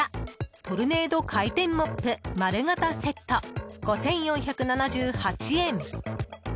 トルネード回転モップ丸型セット、５４７８円。